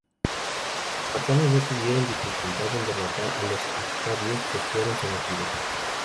Los espartanos no tuvieron dificultad en derrotar a los arcadios, que fueron sometidos.